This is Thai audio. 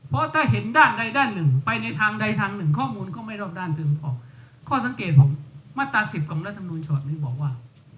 เพราะถ้าเห็นด้านใดด้านหนึ่งไปในทางใดทางหนึ่งข้อมูลก็ไม่รอบด้านดึงออกข้อสังเกตของมาตราสิบของรัฐมนุนฉบับหนึ่งบอกว่า